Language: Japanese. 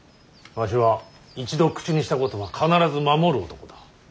わしは一度口にしたことは必ず守る男だ。